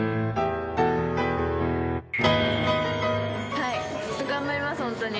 はい頑張りますホントに。